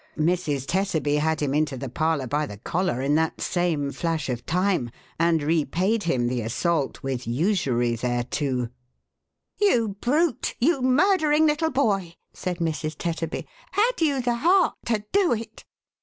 Mrs. Tetterby had him into the parlour by the collar, in that same flash of time, and repaid him the assault with usury thereto. " You brute, you murdering little boy,"" said Mrs. Tetterby. " Had you the heart to do it